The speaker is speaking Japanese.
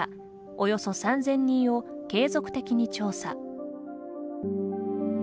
およそ３０００人を継続的に調査。